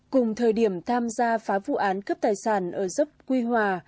cùng thời điểm tham gia phá vụ án cướp tài sản ở dốc quy hòa